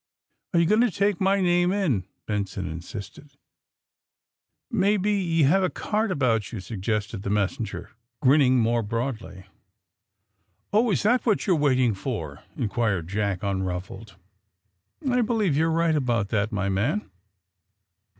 "Are you going to take my name in?" Benson insisted. '' Maybe ye have a card about you 1 '^ suggested the messenger, grinning more broadly. "Oh, is that what you are waiting for!" in quired Jack unruffled. "I believe you're right about that, my man.